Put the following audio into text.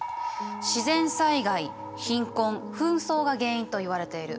自然災害貧困紛争が原因といわれている。